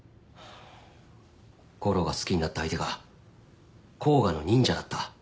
悟郎が好きになった相手が甲賀の忍者だった。